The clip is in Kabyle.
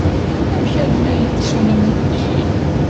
Amek armi ay tettum amulli-inu?